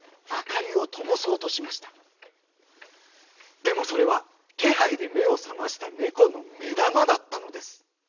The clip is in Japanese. でもそれは気配で目を覚ました猫の目玉だったのです。